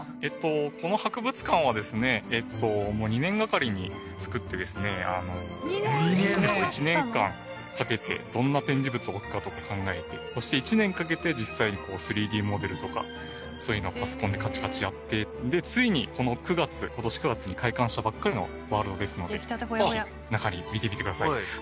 この博物館はですね２年がかりで作ってですね１年間かけてどんな展示物置くかとか考えてそして１年かけて実際に３Ｄモデルとかそういうのをパソコンでカチカチやってでついにこの９月今年９月に開館したばっかりのワールドですのでぜひ中に見てみてください。